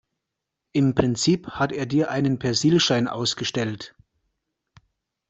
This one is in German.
Im Prinzip hat er dir einen Persilschein ausgestellt.